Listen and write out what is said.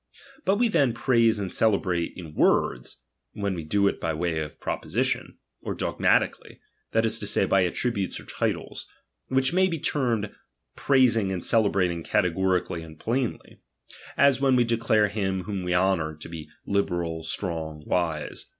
But we then praise and celebrate in words, when we do it by Way of proposition, or dogmatically, that is to say, by attributes or titles ; which may be termed prais ing and celebrating categorically onA plainly ; as when we declare him whom we honour to be libe fctZ, strong, wise.